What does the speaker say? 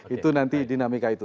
itu nanti dinamika itu